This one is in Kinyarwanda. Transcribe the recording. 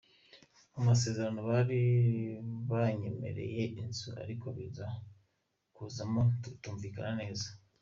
Mu masezerano bari baranyemereye inzu ariko biza kuzamo kutumvikana neza.